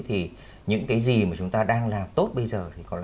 thì những cái gì mà chúng ta đang làm tốt bây giờ